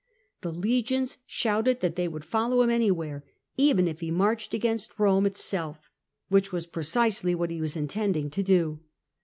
The legions shouted that they would follow him anywhere, even if he marched against Eome itself — which was precisely what he was intending to do.